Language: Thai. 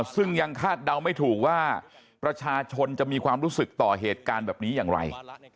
ซึ่งยังคาดเดาไม่ถูกว่าประชาชนจะมีความรู้สึกต่อเหตุการณ์แบบนี้อย่างไร